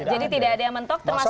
jadi tidak ada yang mentok termasuk